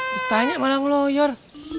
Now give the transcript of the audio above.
ditanya malah ngeloyor